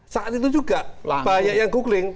saat itu juga banyak yang googling